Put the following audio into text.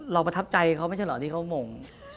ประทับใจเขาไม่ใช่เหรอที่เขามง